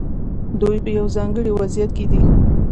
دوی په یو ځانګړي وضعیت کې دي.